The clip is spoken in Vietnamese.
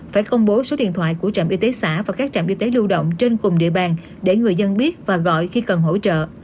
phải công bố số điện thoại của trạm y tế xã và các trạm y tế lưu động trên cùng địa bàn để người dân biết và gọi khi cần hỗ trợ